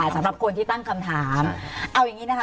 สำหรับคนที่ตั้งคำถามเอาอย่างนี้นะคะ